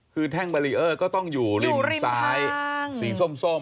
คือแท่งบารีเออร์ก็ต้องอยู่ริมซ้ายสีส้ม